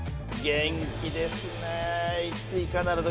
元気ですね。